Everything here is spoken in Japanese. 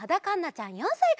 ちゃん４さいから。